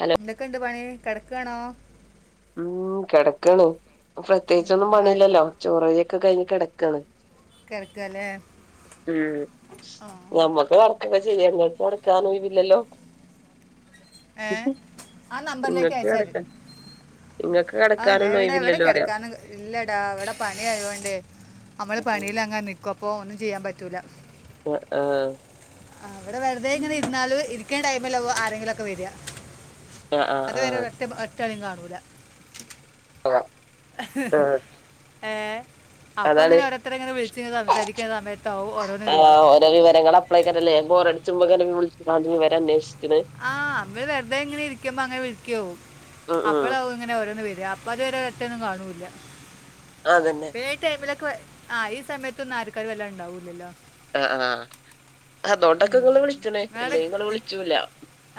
Hello എന്തൊക്കെണ്ട് പണി കെടക്കാണോ ഉം, കെടക്കാണ്. പ്രത്യേകിച്ചൊന്നും പണില്ല ല്ലോ? ചോറ് വെയി യോക്കെ കഴിഞ്ഞ് കെടക്കാണ്. കിടക്കുകയല്ലേ ഉംനമ്മക്ക് കെട് അപ്പ ശരിയാവും ഇങ്ങക്ക് കൊട്ക്കാനൊയിവില്ലല്ലോ ഏഹ് ആ നമ്പറിലേക്ക് ഇങ്ങക്ക് അയ്ചാതി കടക്കാൻ ഇങ്ങക്ക് ആഹ് ഞാൻ കടക്കാനൊന്നും ഇവിടെ ഇവടെ ഒഴിവില്ലല്ലോ പറയാ കെടക്കാന് ഇല്ലടാ ഇവടെ പണി ആയോണ്ടേ നമ്മള് പണില് അങ്ങെ നിക്കും അപ്പൊ ഒന്നും ചെയ്യാൻ പറ്റൂല ആഹ്, ആഹ്‌ ആഹ് വിടെ വെറുതെ ഇങ്ങനെ ഇര്ന്നാലും ഇരിക്ണ ടൈമിലാവു ആരെങ്കിലൊക്കെ വെര്അ ആഹ് അത് വരെ ഒരറ്റ ഒറ്റളിംകാണൂല [inaudible] ആഹ് ഏഹ് അപ്പ അതാണ് ഇങ്ങനെ ഓരോരുത്തര്ങ്ങനെ വിളിച് ങ്ങനെ സംസാരിക്കന്ന സയത്താവും ഓരോന്ന്ട് വര്യാ ആഹ് ഓരോ വിവരങ്ങളാ പ്ലയ്ക്കാരല്ലേ ബോറട്ച്ച് ങ്ങനെ വിൾ ച്ച്ക്കാണ്ട് വിവരം അന്വേഷിക്ണേ? ആഹ് മ്മള് വെറുതെ ഇങ്ങനെ ഇരിക്കുമ്പോ അങ്ങനെ വിളിക്കും ഉം ഉം അപ്പളാവും ബങ്ങനെ ഓരോന്ന് വര്യാ അപ്പൊ അത് വരെ ഒറ്റൊന്നും കാണൂല്ല ആതന്നെ. ഈ ടൈമിലൊക്കെ ആഹ് ഈ സമയത്തൊന്നും ആര്ക്കാര് വല്ല ണ്ടാവൂല്ലല്ലോ അഹ് ആഹ് അതോണ്ടൊക്കെ ഇങ്ങള് വിളിച്ച്ണേ ഇല്ലേ ഇങ്ങള് വിൾച്ചൂല്ല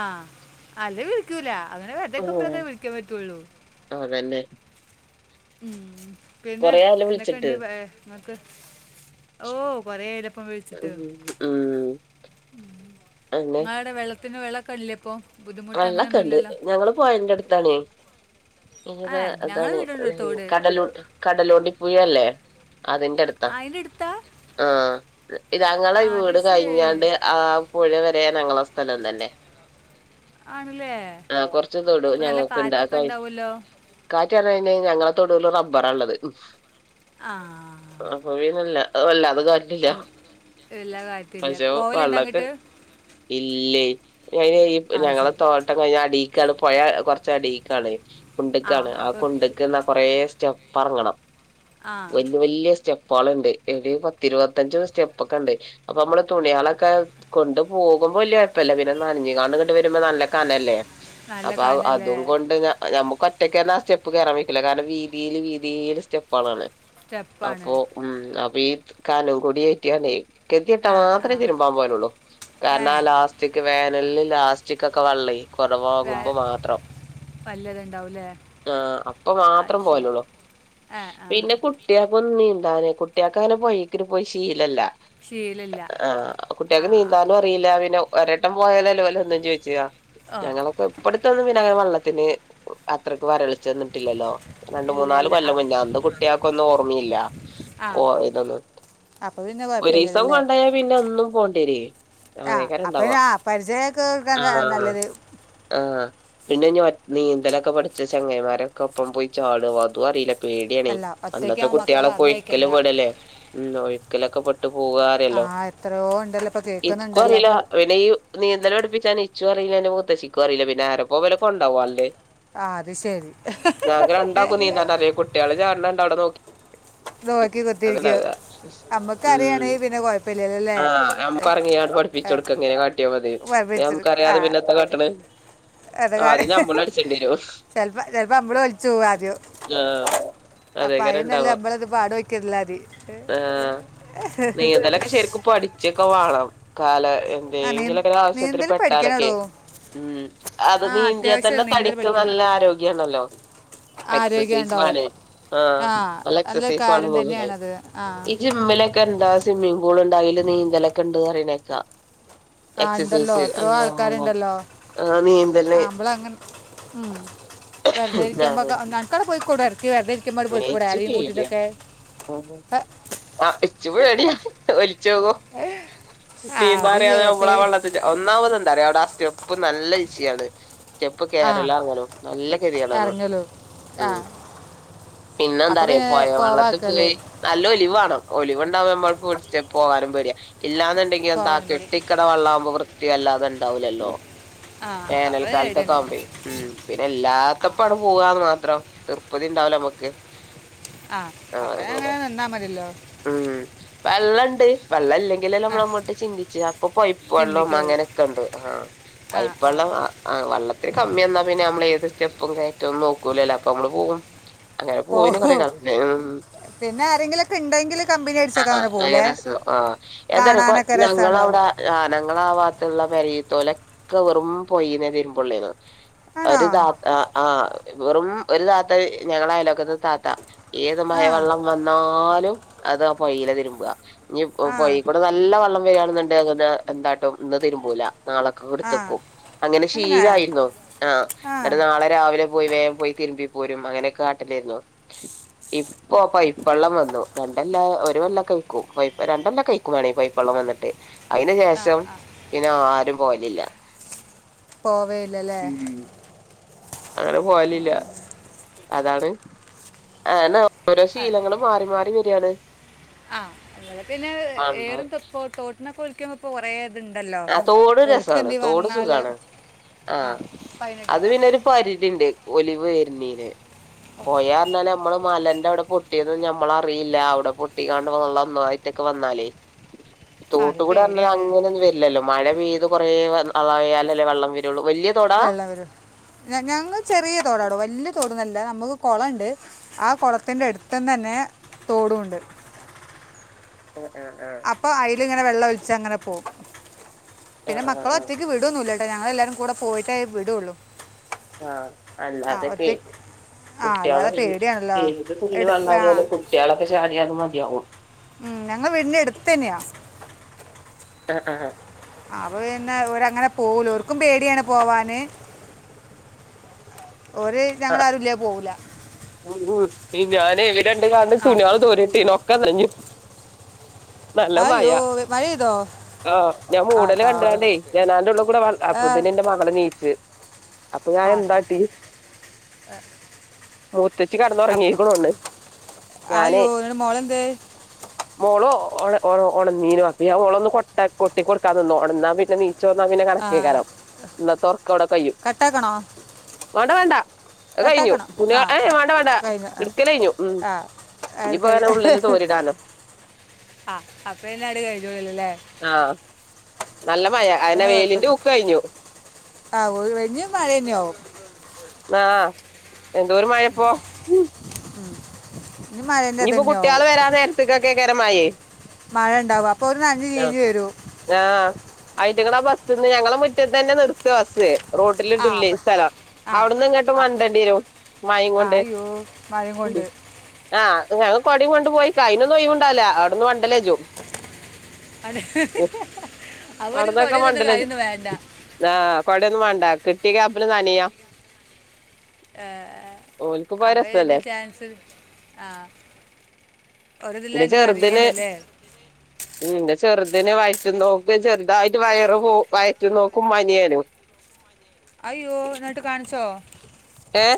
ആഹ് അത് വിളിക്കൂല അങ്ങനെ ഉം വെറ്തക്കുമ്പഴൊക്ക വിളിക്കാ പറ്റുള്ളൂ അതന്നെ ഉം പിന്നെ കൊറേ ആയല്ലോ വിളിച്ചിട്ട് എന്തൊക്കെണ്ട് വേ ഇങ്ങക്ക് ഓ കൊറെ ആയിലെപ്പം വിളിച്ചിട്ട് ഉം ഉം അന്നെ ങ്ങടെ വെള്ള ത്തിന് വെളള ക്കെല്ലേ ഇപ്പോ വെള്ളൊക്കെണ്ട് ഞങ്ങള് പൊഴന്റെ അടുത്താണേ. ആ ഇഞ്ഞിപ്പ ഞങ്ങളെ അതാണ്ഏ വീടുണ്ട് ഒരു തോട് കടലൂ കടലുണ്ടി പുഴല്ലേ അതിന്റെട് ആ, ദ അതിൻ്റെ അടുത്താ ആഹ് തങ്ങളെ ഈ ആ, അത് വീട് ശരി കഴിഞ്ഞാണ്ട് ആഹ് പുഴ വരെ ഞങ്ങളെ സ്ഥലം തന്നെ ആണ്ല്ലേ. ആഹ് കൊറചതൊടു ഞങ്ങക്ക്ണ്ട് [unintelligible] ഉണ്ടാവുമല്ലോ കാറ്റ് പറയാന് ഞങ്ങളെ തൊടൂല് റബ്ബറാ ഇള്ളത്. ആഹ് ആ പൊഴീന്നല്ല എല്ലാ കാറ്റല്ല പോവല്ണ്ട അങ്ങട്ട് ഇല്ലെയ് അയ്ന് ഈ ഞങ്ങളെ ശരി തോട്ടം കഴിഞ്ഞ അടീക്കാണേപുഴ കൊറച്ച് അടിക്കാണ് കുണ്ട്ക്കാണേ ആ കുണ്ട് ക്ക്ന്നാ കൊറേ സ്റ്റെപ്പ അറങ്ങണം ആ വല്ല്യ വല്ല്യ സ്റ്റെപ് പാള്ണ്ട് [unintelligible] പത്തിരുപത്തഞ്ച് സ്റ്റേപ്പൊക്കെണ്ട് അപ്പൊ അമ്മള് തുണ്യാളെക്കെ കൊണ്ട് പോകുമ്പോ വല്ല്യാെഴ്പ്പല്ല പിന്നെ നൻഞ്ഞ്കാണ്ട്ങ്ങട്ട് ട്ട് വരുമ്പോ നല്ല കനല്ലേ നല്ല അപ്പൊ കാനല്ലേ അതും കൊണ്ട് ഞാ നമുക്ക് ഒറ്റക്കന്നെ ആ സ്റ്റെപ്പ് കേറാൻ വെയ്ക്ക്ല്ല കാരണം വീതീല് വീതീല് സ്റ്റെപ്പാളാണ്. സ്റ്റെപ്പാണ് അപ്പൊ ഉം അപ്പൊ ഈ കാനം കൂടിഏറ്റിയണ്ടേ കെത്യട്ടാ ആ ആ മാത്രേ തിര്മ്പാൻ പോലുള്ളൂ ഏ കാരണം ആ ലാസ്റ്റിക് വേനല് ലാസ്റ്റ്ക്ക് ച്ചിക്കൊക്കെ വെള്ളെ കുറവകുമ്പോ മാത്രം പല്ലത് ണ്ടാവുലേ ആ അപ്പൊ മാത്രം പോവലുള്ളൂ ആ ആ പിന്നെ കു കുട്ട്യാക്കോന്ന് നീന്താനേ കുട്ട്യക്ക ങ്ങനെ പോയേക്ക്പോയി ശീലല്ല. ശീലമില്ല ആഹ ആ കുട്ടികക്ക് അപ്പം നീന്താനും അറിയില്ല പിന്നെ ഒരട്ടം പോയാല അല്ല പോലെ ഒന്നും ചോ വിച്ചതാ ഓ ഞങ്ങളൊക്കെ ഇപ്പഴത്തെ ഒന്ന് വെള്ളത്തിന് അത്രയ്ക്ക് വരള ചെന്നിട്ടില്ലല്ലോ രണ്ട ഇല്ല മൂന്നാല് ഇല്ല ആ കൊല്ലം കുഞ്ഞ അന്ത് കുട്ടിയക്ക ഒന്നും ഓർമ്മയില്ല ആ പോ ഇതൊന്നന്ന് അപ്പോൾ പിന്നെ കുഴപ്പമില്ലല്ലോ ഒരിസവും അല്ലേ കൊണ്ടായാ പിന്നെ ഒന്നും പോണ്ടിരി ആ അതേകാരം അപ്പം ഇണ്ടവാവാ ആ പരിചയമൊക്കെ കൊടുക്കാൻ നല്ലത് ആഹ് പിന്നെ ഒറ്റ നീന്തലൊക്കെ പഠിച്ച ചങ്ങരിമാരൊക്കെ ഒപ്പം പോയി ചാളും അതും അറിയില്ല പേടിയണ അല്ല അന്നത്തെ ഒറ്റയ്ക്കാവും മക്കളെ കുട്ടികളൊക്കെ ഒഴക്കല് പറഞ്ഞയക്കണ്ട പെടല്ലേ ഒഴക്കലൊക്കെ പെട്ടു പോവാ അറിയല്ലോ ആഹ എത്രയോ ഉണ്ടല്ലോ ഇപ്പൊ ഇക്കും കേൾക്കുന്നുണ്ടല്ലോ അറിയില്ല പിന്നെ ഈ നീന്തല പഠപ്പിച്ച ഇച്ച അറിയില്ല അെ മുത്തശിക്കും അറിയില്ല പിന്നെ ആരപ്പോ വലക്കണ്ടാവല്ലേ ആ അത് ശരി ഞാന ഏ, രണ്ടാക്കും നീന്താ അറിയ കുട്ടികള് ചാണ്ട് അവിടെ നോക്കി [inaudible] നോക്കി കുത്തിരിക്കും അമ്മക്ക് ഉം അറിയണെ പിന്നെ കൊഴപ്പില്ലല്ലല്ലേ പിച്ചെടുക്ക എങ്ങനെ കാട്ടിയാ മതി നമുക്കറിയാതെ പിന്നെത്തെ കാട്ടണ് എത [unintelligible] ആഹ് അത് നമ്മളടിച്ചേണ്ടി വരും ചപ്പോ ചേലപ്പോ അമ്പള ഒലിച്ചു പോവ ആദ്യം. ആഹ് അപ്പൊ അതേക്കാരം ഇണ്ടാവ അയന്നല്ലേ അമ്പളത് പാടക്കിർന്നതി ആഹ് നീന്തലൊക്കെ ശരിക്കും പടിച്ചൊക്കെ വേണം കാല ആ നീ എന്തെങ്കിലുംക്കെ ആവശ്യത്തിന് നീന്തൽ പെ ക്കെ പഠിക്കണടോ ഉ അത് ആ നീന്ന്ത്യൽ തന്നെ അത്യാവശ്യം നീന്തൽ തടിക്ക് പഠിക്കണം നല്ല ആരോഗ്യണല്ലോ ആരോഗ്യം എക്സസൈസ് ഉണ്ടാവും ആണ്. ആഹ്. ആ നല്ല എക്സ്സേസൈസും ആണ് കാര്യം [unintelligible] തന്നെയാണത് ആ ഈ ജിമ്മിലൊക്ക് ക്കെ എന്താ സ്വിമ്മിങ് പൂൾ ഇണ്ട അതില് നീന്തല ഒക്കെ ഉണ്ട് അറനേക്കാ ആ ഉണ്ടല്ലോ എത്രയോ ആൾക്കാരുണ്ടല്ലോ ആഹ് നീന്തല് ആമ്പള അങ്ങ ഉ വെറുതെരിക്ക്പ ഞാന് ക്കടെയിട ഇ വെറുത ഇരിക്കുമ്പോ പോയിക്കൂട ആരും കൂട്ടിലൊക്കെ ആ ആ ഇച്ചുപേടിയാ ഓൾചോകും ആ, അത് നീൻന്താറിയാതെ ഏ- നുമ്പളാ പേ- വെള്ളത്തിൽ ഒന്നാമത് എണ്ടാറിയ അവിടെ ആ സ്റ്റെപ്പ് നല്ല ഇസിയാണ് സ്റ്റെപ് ആ കേരലും അറങ്ങളും നല്ല കരിയണാണ് ഇറങ്ങലു ഉ ആ പിന്നെ അപ്പോൾ എന്താറ പിന്നെ പോയ വെള്ളത്തിൽ പോവാക്കല് പോയി നല്ല ഒലിവാണ്ണം ഒലിവുണ്ടാവുമ്പോ നമ്മക്ക് പോകാനും വരി ഇല്ലാന്നുണ്ടെങ്കിൽ എന്താ പോവാൻ പേടി കട്ടി ഇക്കട വള്ളാകുമ്പോ വൃത്തിയ അല്ലാതെ ഉണ്ടാവില്ലല്ലോ ആ അപ്പോൾ പേടി വഏനൽക്കാലത്തൊക്ക തന്നെ ആവുമ്പയി ഉ പിന്നെ ആ ഇല്ലാത്ത പടം പോവാന്ന് മാത്രം തൃർപ്പതി ഉണ്ടാവലോ നമുക്ക്. ആഹ് അപ്പ അങ്ങനെ നന്നാ മതിയല്ലോ വെള്ളം ഉണ്ട് വെള്ളം ഇല്ലെങ്കിൽ ആ നമ്മള അങ്ങോട്ട് ചിന്തിച്ചച്ച് അപ്പൊ പോയിപ്പ വെള്ളോ ചിന്തിക്കുള്ളൂ അങ്ങനെയൊക്കെ ഉണ്ട് ആഹ് വൈപ്പള്ളം ആ ആവള്ളത്തിന് കമ്മി തന്നാൽ പിന്നെ നമ്മൾ ഏത് സ്റ്റെപ്പും കയറ്റംന്നും നോക്കൂലല്ലോ അപ്പൊ നമ്മള് പോകും. അങ്ങനെ പോ പോയിന് കൊറെ കളത്തിൽ പിന്നെ ആരെങ്കിലൊക്കെ ഉണ്ടെങ്കിൽ കമ്പനി അടിച്ചൊക്കെ അങ്ങനെ പോകൂലേ ആസഖ ആ എന്താലക്ക കാണാനൊക്കെ രസമാണല്ലോ ഞങ്ങവിടെ ആ ഞങ്ങള ആ ഭാഗത്തുള്ള പരയിത്തോലൊക്കെ വെറും പോയിന്നതിരുമ്പള്ളേന്ന് ആണോ ഒരു താ ആഹ വെറും ഒരു താത്ത ഞങ്ങളായലോക്കത്ത് താത്ത ഏത് ആ മഴവെള്ളം വന്നാലും അത് ആ പൊഴയില തിരുമ്പുക ഇനി ആ പൊയി കൂടെ നല്ല നല്ല വള്ളം വകയാണുന്നുണ്ട് അങ്ങനെ എന്തായിട്ടും ഇന്ന് തരുമ്പോല നാളെ ആ കൊടുത്തക്കും അങ്ങനെ എന്നാ ശീലമായിരുന്നു. ആഹ ആ എന്നട്ട് നാളെ രാവിലെ പോയി വേഗം പോയി തിരുമ്പി പോരും അങ്ങനെയൊക്കെ കാട്ടിലായിരുന്നു ഓ പൈപ്പള്ളം വന്നു രണ്ടെല്ലാം ഒരുവല്ലാം കയിക്കും പൈ രണ്ടെല്ലാം കയിക്കും വേണെ പൈപ്പള്ളം വന്നിട്ട് അതിന് ആ ശേഷം പിന്നെ ആരും പോലില്ല പോവേല്ലല്ല അങ്ങനെ പോവലില്ല അതാണ് ആ എന്നാ ഓരോ ശീലങ്ങളും മാറി മാറി വരിയാണ് ആഹ് അ പിന്നെ പണ്ട് ഏറും തസ് തോട്ട്നൊക്ക ഓൽക്ക് കൊറേ ഇത്ണ്ടല്ലോ ആ തോട് ഒഴുക്ക് രസാണ് എന്തേ തോട് വന്നാല് സുഖാണ് പരിതിണ്ട് ഒലിവ് എരുന്നീന് പോയ നമ്മള് മലന്റെ അവിടെ പൊട്ടിയത് നമ്മള അറിയില്ല അവിടെ പൊട്ടിക്കാണ്ട് വെള്ളം ന്നാതായി തെക്ക് വന്നാലേ ആ അത് തോട്ടുകൂടി അന്നാലും പേടിയാണ് അങ്ങനൊന്നും വരില്ലല്ലോ മഴ പെയ്ത് കൊറേ വ ആയാലല്ലേ വെള്ളം വരുള്ളൂ വല്യ തോടാ വെള്ളം വരും ഞങ്ങള് ചെറിയ തോടാ ടോ വല്യ തോടോന്നല്ല നമ്മക്ക് കൊളം ഇണ്ട് ആ കുളത്തിന്റെ അടുത്തം തന്നെ തോടും ഉണ്ട് ഏ ആഹ് ആഹാ അപ്പോ അതില് ഇങ്ങനെ വെള്ളം ഒലിച്ച് അങ്ങനെ പോം പിന്നെ ആഹ് ആഹ് മക്കളെ ആഹ് ഒറ്റയ്ക്ക് വി വിടൊന്നും ഇല്ല കേട്ടോ ഞങ്ങളെല്ലാരും കൂടെ പോയിട്ടേ വിടുള്ളൂ ആഹ ആ അല്ലതെ പേ ഒറ്റയ്ക്ക് ആ കുട്ട്യോളെ അല്ലാതെ പേടിയാണല്ലോ ഏത് തുള്ളി എട് ആ വെള്ളായാലും കുട്ട്യോളൊക്കെ ചാടിയ അത് മതിയാവും ഉം ഞങ്ങ വീടിന്റെ അടുത്തെന്നെയാ ആഹ് ആഹാ അപ്പോ പിന്നെ ഇവടെ അങ്ങനെ പോവൂല ഒര്ക്കും പേടിയാണ് പോവാന് ഓര് ഞങ്ങള് ആരും ഇല്ലേ പോവൂല ഉം ഞാന് ഇവിരണ്ട് കാല്മെ ആ സുണേള് തോരട്ടീന്നു ഒക്ക ന്നഞ്ഞു അയ്യോ മഴ പെയ്തോ ആ ഞാൻ മൂടല് കണ്ടണ്ടേ ജനാലെന്റെ ഉള്ള കൂടെ അപ്പോത്തിന് എന്റെ മകള് എണീച്ച് ആട്ടാ മൂത്തച്ചി കെടന്നോ അം അയ്യോ ഇന്നിട്ട് മോളന്തേ? മോളോ ഒള് ഒള് ഒളാന്നിനു അപ്പോ ഞാൻ ഓളെ ഒന്ന് കൊട്ട കൊട്ടി കൊടുക്കാൻ നിന്നു ഉണന്നാ പിന്നെ ഉച്ചവുമ്പോ അങ്ങനെ ആ കണക്കേക്കലോ ഇന്നത്തെ ഒറക്കം അവിടെ കയ്യും കട്ടാക്കണോ വേണ്ട വേണ്ട അത് കഴിഞ്ഞു കട്ടാക്കണോ തുണിയ ആ ഏ ആ വേണ്ട വേണ്ടാ കഴിഞ്ഞു ആ എടുക്കല് കഴിഞ്ഞു ഉം ആ അത് ഇനിപ്പോ കഴി അങ്ങനെ ഉള്ളില് തോരിടാലോ ആ അപ്പോ ഇന്നാട് കഴിഞ്ഞോളിലില്ലേ ആഹ നല്ല മയ ന്നെ കുഴപ്പില്ലേ ആഹ് ഓ ഇനി മഴന്നെ ആവും ആഹ എന്തോരം മ ഉം ഉം ഇനി മഴേന്റെ ഇനിയിപ്പോ ഇതന്നെ കുട്ടികള് ആവും വരാൻ നേരത്തേക്കൊക്കെ കരമായേ മഴ ഇണ്ടാവും അപ്പോ അവര് നനഞ്ഞ് ചീഞ്ഞ് വരും ആഹാ ആയിറ്റ്ങ്ങളടെ ആ ബസ്സിന്ന് ഞങ്ങള മുറ്റത്തേന്നെ നിർത്ത ബസ്സ് റോഡില് ആ ഇട്ടൂലെ അപ്പം സ്ഥലം ആ അവടുന്ന് ഇങ്ങോട്ട് വണ്ടേണ്ടി വരും മഴേം കൊണ്ട് മഴേം കൊണ്ട് ആഹ ഞങ്ങ കൊടേം കൊണ്ട് പോയിക്ക അയിനൊന്നും ഒഴിവുണ്ടാവല്ല അവടുന്ന് വണ്ടല്ലേജോ അവര്ക്ക് [unintelligible] വേണ്ട ആഹ കൊടയൊന്നും വേണ്ട കിട്ടീയ ഗ്യാപ്പില് നനയാ ഏ ഏ ഓൽക്കിപ്പോ അത് ഏത് രസല്ലേ ചാൻസ് ആഹ് എന്റെ ചെറുതിന് ഉം എന്റെ ചെറുതിന് വായിറ്റ്ന്നോ വും ചെറുതായിട്ട് വയറ് പോ വയറ്റുന്നോക്കും പനിയേനും അയ്യോ ഇന്നട്ടു കാണിച്ചോ ഏഹ്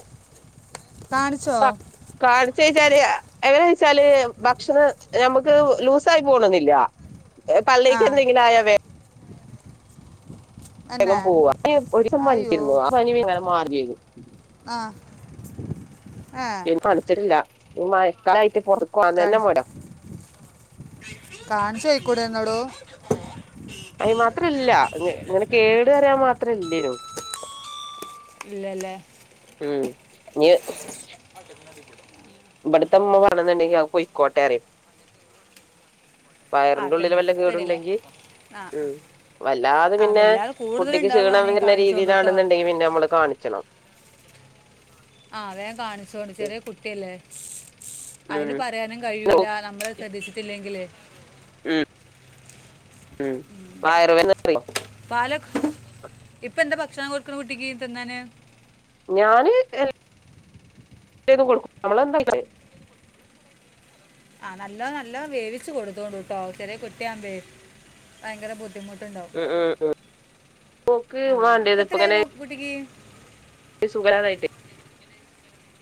കാണിച്ചോ കാണിച്ചേച്ചാല് എങ്ങനെച്ചാല് ഭക്ഷണം നമുക്ക് ലൂസായി പോണെന്നില്ല ആ പള്ളേക്ക് എന്തെങ്കിലായ വേ [inaudible] ഗം എന്നെ പോകാ [unintelligible] ആഹ് ആഹ് തൊടച്ചിട്ടില്ല മയക്കാലായിട്ട് കാണ് കാണിചെയിക്കുടന്നടെ അയിനു മാത്രല്ല ഇങ്ങനെ കേടു പറയാൻ മാത്രല്ലേനു ഇല്ലല്ലേ ഉം ന ഇവിടുത്തെ ഉമ്മ പറയുന്നുണ്ടെങ്കിൽ അത് പൊയ്ക്കോട്ടേ പറയും വയറിന്റെ ഉള്ളില് വല്ല കേടുണ്ടെങ്കിൽ ആഹ് ഉം വല്ലാതെ പിന്നെ കുട്ടിക്ക് ക്ഷീണം കൂടുതലുണ്ടാവുകയാണെങ്കിൽ വരുന്ന കാണിച്ചോണ്ട് കേട്ടോ രീതിയിലാണെന്നുണ്ടെങ്കി പിന്നെ നമ്മള് കാണിച്ചണം ആഹ് വേം കാണിച്ചോണ്ട് ഉം ചെറിയ കുട്ടിയല്ലേ അതിന് ഉം പറയാനും കഴൂല നമ്മള് ശ്രദ്ധിച്ചിട്ടില്ലെങ്കില് ഉം ഉം വയറു വേദ [unintelligible] പാല ഇപ്പ എന്താ ഭക്ഷണം കൊടുക്ക്ണ കുട്ടിക്ക് തിന്നാന് ഞാന് എല്ലേതും [unintelligible] ആഹ് നല്ല നല്ല വേവിച്ച് കൊടുത്തൊണ്ട് ട്ടോ ചെറിയ കുട്ടിയാമ്പേ ഭയങ്കര ബുദ് ബുദ്ധിമുട്ടുണ്ടാവും ഉം ഉം ഉം ഓൾക്ക് ആ ഇപ്പൊ വാണ്ടേത് എത്രയായി ഇപ്പൊങ്ങനെ മോ കുട്ടിക്ക് സുഖല്ലതായിട്ട്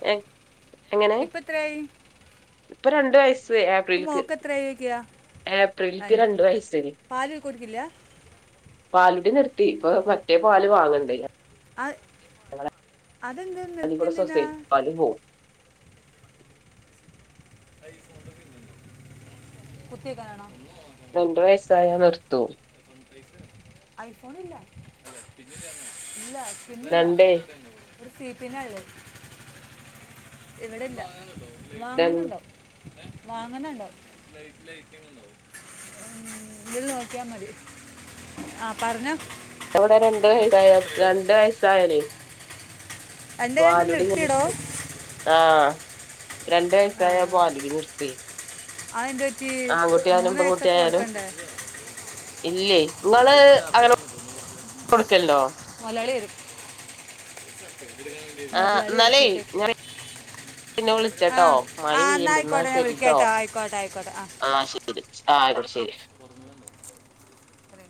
എ ഇപ്പ എത്രായി ഇപ്പൊ രണ്ട് വയസ്സ് ഏപ്രിൽക്ക് [unintelligible] ഏപ്രിൽക്ക് രണ്ടു വയസ്സന് പാലിൽ കൊടുക്കില്ല പാലുടി നിർത്തി ഇപ്പ മറ്റേ പാല് വാങ്ങണ്ട് അ അതെന്ത് അതികൂടെ നിർത്തിയെന്തിന [unintelligible] [inaudible] രണ്ട് വയസ്സായാ നിർത്തും ഐഫോണില്ല ഇല്ല [unintelligible] [unintelligible] രണ്ടേ ഇവിടെല്ല രണ്ട് വാങ്ങുന്നുണ്ടോ വാങ്ങണണ്ടോ ഇതില് നോക്കിയാൽ മതി ആഹ് പറഞ്ഞോ ഇവിടെ രണ്ട് വയസ് രണ്ട് വയസ്സായാലെ എൻ്റെ കയ്യിൽ നിന്ന് പാലുടി നിർത്തിയിടോ നിർത്തും ആഹ് രണ്ട് ആ വയസായ പാലുടി നിർത്തേ അതെന്ത് പറ്റി മൂന്ന് വയസൊക്കെ പെൺകുട്ടിയായാലും കൊടുക്കണ്ടേ ഇല്ലേ നിങ്ങള് അങ്ങനെ കൊടുക്കലുണ്ടോ മുതലാളി [unintelligible] [inaudible] ആഹ് വരും എന്നാലേ ചീത്തേക്ക് ഞ പിന്നെ ആ വിളിച്ചട്ടോ മഴ ആ എന്നാൽ പെയ്യണ്ട് എന്ന ആയിക്കോട്ടെ ഞാൻ വിളിക്കാം ശരിട്ടോ കേട്ടോ ആയിക്കോട്ടെ ആയിക്കോട്ടെ ആ ആഹ് ആയിക്കോട്ടെ ശരി ഒരു